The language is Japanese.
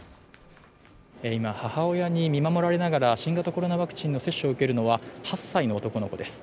今母親に見守られながら新型コロナワクチンの接種を受けるのは８歳の男の子です